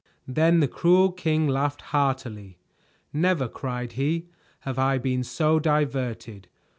Then the cruel king laughed heartily. "Never," cried he, "have I been so diverted.